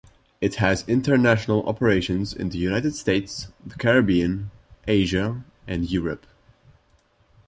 It has international operations in the United States, the Caribbean, Asia, and Europe.